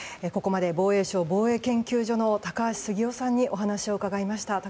ここまで防衛省防衛研究所の高橋杉雄さんにお話を伺いました。